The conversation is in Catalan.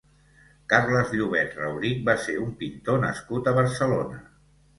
Carles Llobet Raurich va ser un pintor nascut a Barcelona.